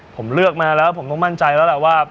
ผมเลือกมาแล้วผมต้องมั่นใจแล้วแหละว่า